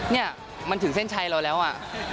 เนี่ยมันถึงเส้นชัยเราแล้วอ่ะ